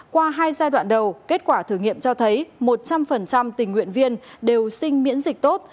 qua hai giai đoạn đầu kết quả thử nghiệm cho thấy một trăm linh tình nguyện viên đều sinh miễn dịch tốt